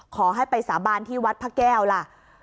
ขอให้ไปสาบานที่วัดพระแก้วล่ะ